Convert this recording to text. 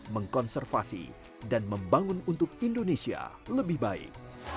mengkonservasi dan membangun untuk indonesia lebih baik